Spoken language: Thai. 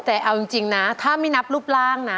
แต่เอาจริงนะถ้าไม่นับรูปร่างนะ